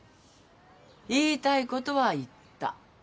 言いたいことは言った。